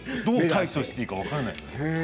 どう対処していいか分からない。